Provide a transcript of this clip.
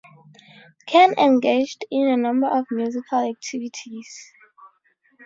Ken engaged in a number of musical activities.